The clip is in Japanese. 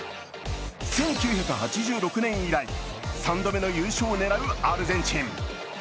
１９８６年以来、３度目の優勝を狙うアルゼンチン。